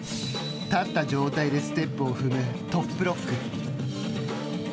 立った状態でステップを踏むトップロック。